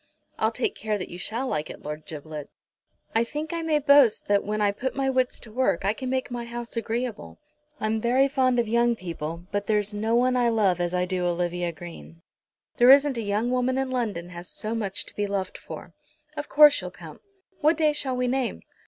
"I'll take care that you shall like it, Lord Giblet. I think I may boast that when I put my wits to work I can make my house agreeable. I'm very fond of young people, but there's no one I love as I do Olivia Green. There isn't a young woman in London has so much to be loved for. Of course you'll come. What day shall we name?"